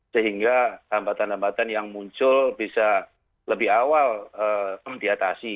sehingga hambatan hambatan yang muncul bisa lebih awal diatasi